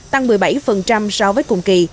tăng một mươi bảy so với cùng kỳ